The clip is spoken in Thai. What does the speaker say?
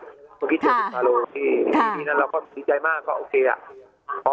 เมื่อกี้เจอคุณทาโลพี่นั้นเราก็ดีใจมากก็โอเคอ่ะ